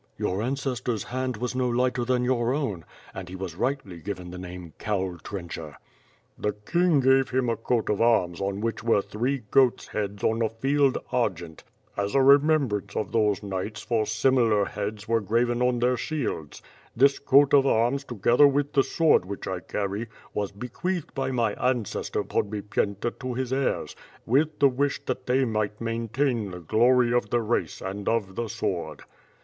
" "Your ancestor's hand was no lighter than your own, and he was rightly given the name Cowl Trencher." "The King gave him a coat of arms on which were three 38 WITH FIRE AND SWORD. goats' heads on a field argent, as a remembrance of those knights for similar heads were graven on their shields. This coat of arms together with the sword which I carry, was bc queatlied by my ancestor Podbipyenta to his heirs, with the wish that they might maintain the glory of the race and of the sword."